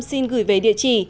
xin gửi về địa chỉ